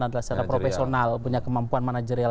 adalah secara profesional punya kemampuan manajerial